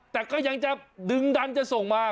แต่ก็ยังจะดึงดันจะส่งมา